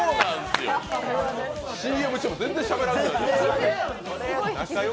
ＣＭ中も全然しゃべらないんですよ。